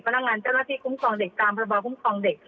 เจ้าหน้าที่คุ้มครองเด็กตามพระบอคุ้มครองเด็ก